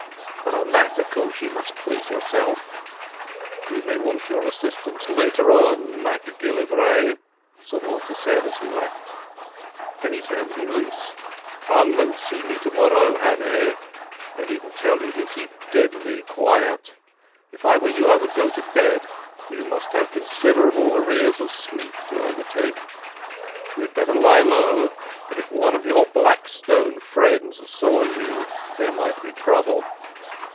But on that, of course, you must please yourself." "We may want your assistance later on, MacGillivray," Sir Walter said as we left. Then he turned me loose. "Come and see me tomorrow, Hannay. I needn't tell you to keep deadly quiet. If I were you I would go to bed, for you must have considerable arrears of sleep to overtake. You had better lie low, for if one of your Black Stone friends saw you there might be trouble."